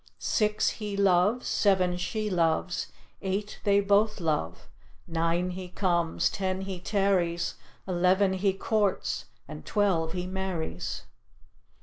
Six he loves, Seven she loves, Eight they both love; Nine he comes, Ten he tarries, Eleven he courts and Twelve he marries."